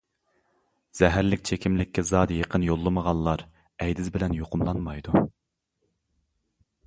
زەھەرلىك چېكىملىككە زادى يېقىن يوللىمىغانلار ئەيدىز بىلەن يۇقۇملانمايدۇ.